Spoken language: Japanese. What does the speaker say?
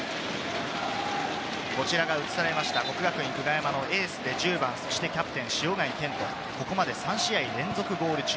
こちらが國學院久我山のエースで１０番、そしてキャプテン・塩貝健人、ここまで３試合連続ゴール中。